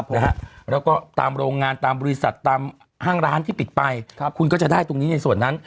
แล้วก็ตามโรงงานตามบริษัทตามห้างร้านที่ปิดไปคุณก็จะได้ตรงนี้ในส่วนนั้น